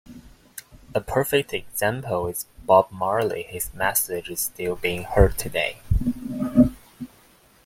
A perfect example is Bob Marley: his message is still being heard today.